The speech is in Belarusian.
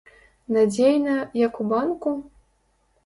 Надзейна, як у банку?